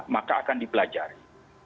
maka akan dipelajari